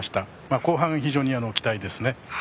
後半、非常に期待ですね。